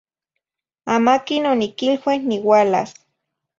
Amaquin oniquilue niualas